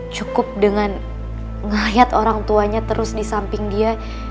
cukup dengan ngehayat orang tuanya terus di samping dia